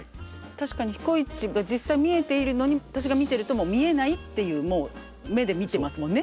確かに彦市が実際見えているのに私が見てるともう見えないっていうもう目で見てますもんね。